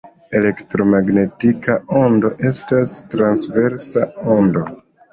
Elektromagneta ondo estas transversa ondo.